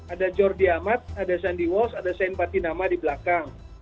ada jordi amat ada sandy walsh ada sain patinama di belakang